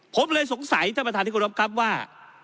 ผมเลยสงสัยท่านประธานที่กรบครับว่า